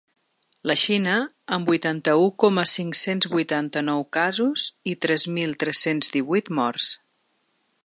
La Xina, amb vuitanta-u coma cinc-cents vuitanta-nou casos i tres mil tres-cents divuit morts.